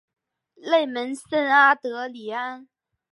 勒蒙圣阿德里安。